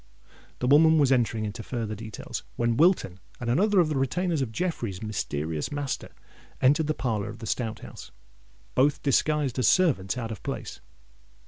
The woman was entering into farther details, when Wilton and another of the retainers of Jeffreys' mysterious master entered the parlour of the Stout House, both disguised as servants out of place.